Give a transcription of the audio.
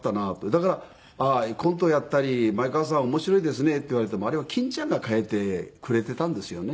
だからコントをやったり「前川さん面白いですね」って言われてもあれは欽ちゃんが変えてくれてたんですよね。